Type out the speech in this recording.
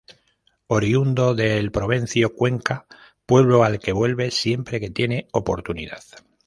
Oriundo de El Provencio, Cuenca, pueblo al que vuelve siempre que tiene oportunidad.